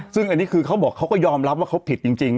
ซึ่งอันนี้คือเขาบอกเขาก็ยอมรับว่าเขาผิดจริง